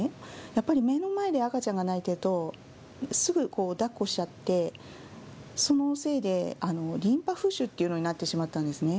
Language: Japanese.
やっぱり目の前で赤ちゃんが泣いていると、すぐだっこしちゃって、そのせいでリンパ浮腫っていうのになってしまったんですね。